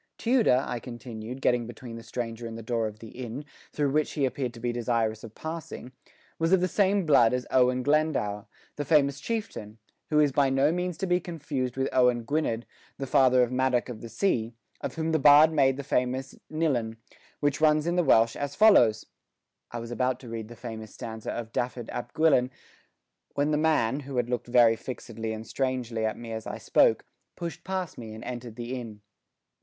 Tudor," I continued, getting between the stranger and the door of the inn, through which he appeared to be desirous of passing, "was of the same blood as Owen Glendower, the famous chieftain, who is by no means to be confused with Owen Gwynedd, the father of Madoc of the Sea, of whom the bard made the famous cnylyn, which runs in the Welsh as follows: " I was about to repeat the famous stanza of Dafydd ap Gwilyn when the man, who had looked very fixedly and strangely at me as I spoke, pushed past me and entered the inn.